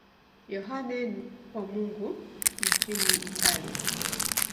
Yohane wa Mungu nchini Italia.